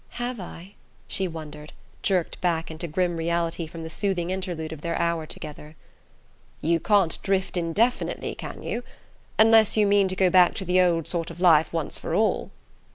"Have I?" she wondered, jerked back into grim reality from the soothing interlude of their hour together. "You can't drift indefinitely, can you? Unless you mean to go back to the old sort of life once for all."